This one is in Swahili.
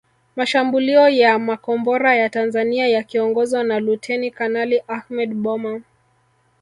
Mashambulio ya makombora ya Tanzania yakiongozwa na Luteni Kanali Ahmed Boma